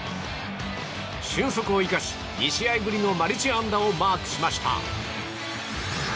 俊足を生かし、２試合ぶりのマルチ安打をマークしました。